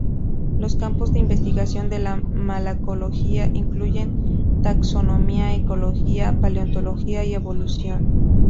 Los campos de investigación de la malacología incluyen taxonomía, ecología, paleontología y evolución.